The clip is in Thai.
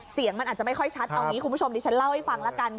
เสียงมันอาจจะไม่ค่อยชัดเอางี้คุณผู้ชมดิฉันเล่าให้ฟังแล้วกัน